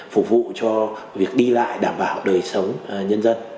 phục vụ cho việc đi lại đảm bảo đời sống nhân dân